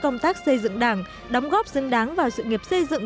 công tác xây dựng đảng đóng góp xứng đáng vào sự nghiệp xây dựng